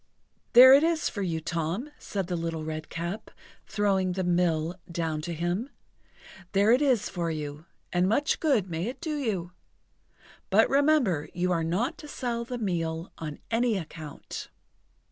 "There it is for you, Tom," said the Little Redcap, throwing the mill down to him; "there it is for you, and much good may it do you! But remember you are not to sell the meal on any account."